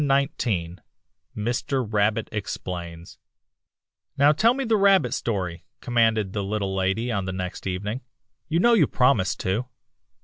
RABBIT EXPLAINS AN EASTER STORY "Now tell me the rabbit story," commanded the Little Lady on the next evening. "You know you promised to."